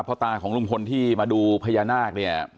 ตาของลุงพลที่มาดูพญานาคเนี่ย